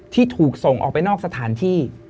ที่ถูกส่งออกไปนอกสถานที่